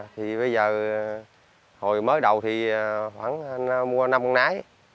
thì bây giờ hồi mới đầu thì khoảng mua năm con nái